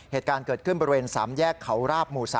เหตุการณ์เกิดขึ้นบริเวณ๓แยกเขาราบหมู่๓